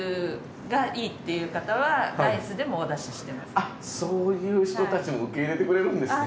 あっそういう人たちも受け入れてくれるんですね。